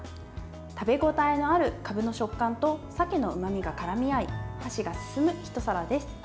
食べ応えのある、かぶの食感と鮭のうまみが絡み合い箸が進むひと皿です。